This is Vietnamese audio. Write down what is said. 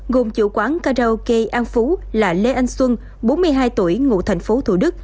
gồm chủ quán karaoke an phú là lê anh xuân bốn mươi hai tuổi ngụ thành phố thủ đức